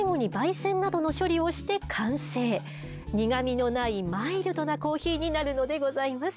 苦みのないマイルドなコーヒーになるのでございます。